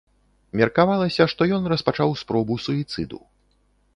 Меркавалася, што ён распачаў спробу суіцыду.